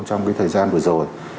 trong cái thời gian vừa rồi